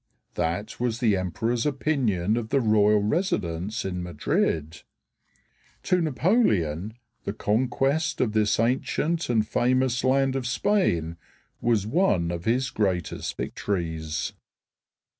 That was the emperor's opinion of the royal residence in Madrid. To Napoleon the conquest of this ancient and famous land of Spain was one of his greatest victories.